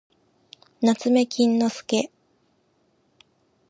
なつめきんのすけ